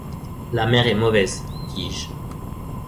La mer est mauvaise, dis-je.